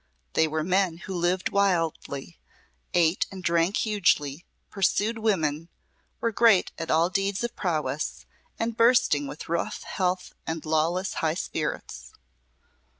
They were men who lived wildly, ate and drank hugely, pursued women, were great at all deeds of prowess, and bursting with rough health and lawless high spirits.